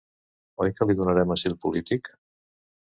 Oi que li donarem asil polític?